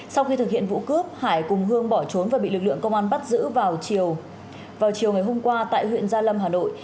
sau khi thực hiện vụ cướp hải cùng hương bỏ trốn và bị lực lượng công an bắt giữ vào chiều ngày hôm qua tại huyện gia lâm hà nội